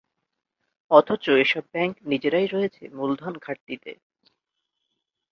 অথচ এসব ব্যাংক নিজেরাই রয়েছে মূলধন ঘাটতিতে।